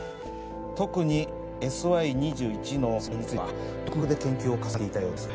特にＳＹ２１の設計については独学で研究を重ねていたようです。